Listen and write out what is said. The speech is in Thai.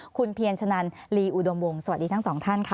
คุณเพียรชะนันลีอุดมวงสวัสดีทั้งสองท่านค่ะ